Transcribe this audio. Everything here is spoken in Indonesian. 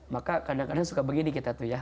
maka kadang kadang suka begini kita tuh ya